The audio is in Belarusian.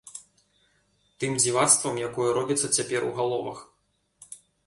Тым дзівацтвам, якое робіцца цяпер у галовах.